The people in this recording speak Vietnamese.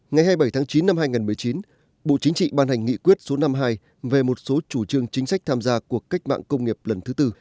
ngày hai mươi bảy tháng chín năm hai nghìn một mươi chín bộ chính trị ban hành nghị quyết số năm mươi hai về một số chủ trương chính sách tham gia cuộc cách mạng công nghiệp lần thứ tư